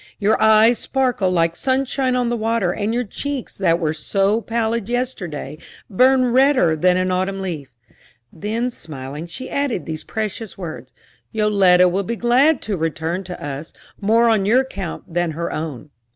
"Your eyes sparkle like sunshine on the water, and your cheeks that were so pallid yesterday burn redder than an autumn leaf." Then, smiling, she added these precious words: "Yoletta will be glad to return to us, more on your account than her own."